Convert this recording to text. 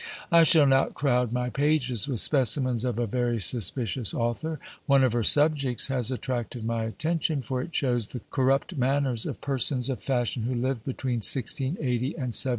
I shall not crowd my pages with specimens of a very suspicious author. One of her subjects has attracted my attention; for it shows the corrupt manners of persons of fashion who lived between 1680 and 1700.